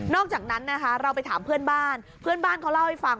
อกจากนั้นนะคะเราไปถามเพื่อนบ้านเพื่อนบ้านเขาเล่าให้ฟัง